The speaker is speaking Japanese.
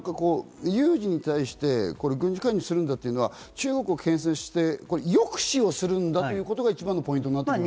有事に対して軍事介入するというのは中国を牽制して抑止をするんだということが一番ポイントですよね。